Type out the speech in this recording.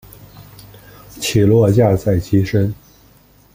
起落架在机身。